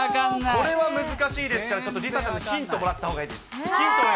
これは難しいですから、ちょっと梨紗ちゃんにヒントもらったほうがいいです。